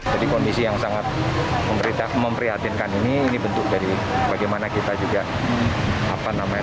jadi kondisi yang sangat memberi tak memprihatinkan ini ini bentuk dari bagaimana kita juga apa namanya